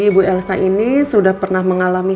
ibu elsa ini sudah pernah mengalami